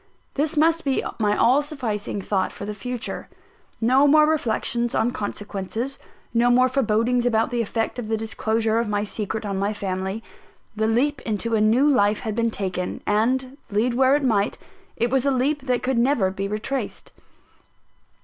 This must be my all sufficing thought for the future. No more reflections on consequences, no more forebodings about the effect of the disclosure of my secret on my family the leap into a new life had been taken, and, lead where it might, it was a leap that could never be retraced!